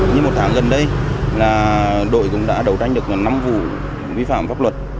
như một tháng gần đây đội cũng đã đấu tranh được năm vụ vi phạm pháp luật